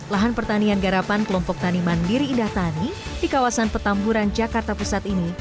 lahan pertanian garapan kelompok tani mandiri indah tani di kawasan petamburan jakarta pusat ini